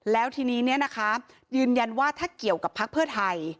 แล้วทีนี้ยืนยันว่าถ้าเกี่ยวกับพักเพื่อไทย